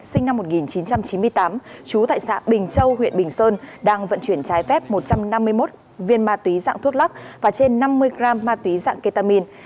sinh năm một nghìn chín trăm chín mươi tám trú tại xã bình châu huyện bình sơn đang vận chuyển trái phép một trăm năm mươi một viên ma túy dạng thuốc lắc và trên năm mươi gram ma túy dạng ketamin